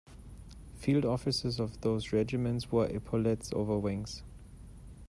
Field officers of those regiments wore epaulettes over wings.